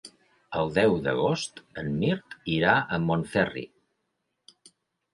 El deu d'agost en Mirt irà a Montferri.